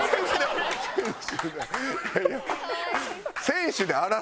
「選手で」